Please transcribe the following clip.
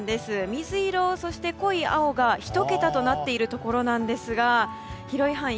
水色、そして濃い青が１桁となっているところですが広い範囲